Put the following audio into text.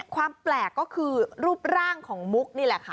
ความแปลกก็คือรูปร่างของมุกนี่แหละค่ะ